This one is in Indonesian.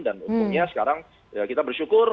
dan umumnya sekarang kita bersyukur